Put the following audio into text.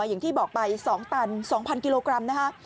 อย่างที่บอกไป๒ตัน๒๐๐กิโลกรัมนะคะ